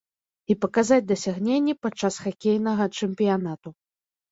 І паказаць дасягненні падчас хакейнага чэмпіянату.